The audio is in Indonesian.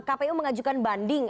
kpu mengajukan banding